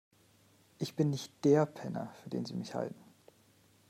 Ich bin nicht der Penner, für den Sie mich halten.